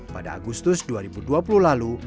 pada agustus dua ribu dua puluh lalu